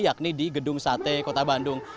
yakni di gedung sate kota bandung